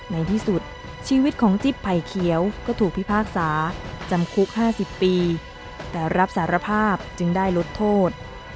ในที่สุดชีวิตของจิ๊บไผ่เขียวก็ถูกพิพากษาจำคุก๕๐ปีแต่รับสารภาพจึงได้ลดโทษ